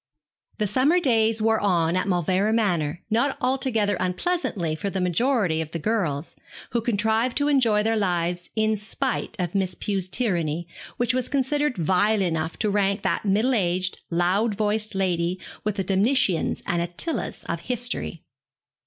The summer days wore on at Mauleverer Manor, not altogether unpleasantly for the majority of the girls, who contrived to enjoy their lives in spite of Miss Pew's tyranny, which was considered vile enough to rank that middle aged, loud voiced lady with the Domitians and Attilas of history.